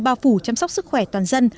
bao phủ chăm sóc sức khỏe toàn dân